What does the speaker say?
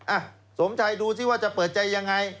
อ่ะสมชัยดูสิว่าจะเปิดใจยังไง